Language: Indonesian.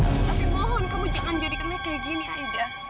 tapi mohon kamu jangan jadi kena kayak gini aida